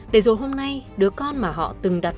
để rồi hôm nay đứa con mà họ từng đặt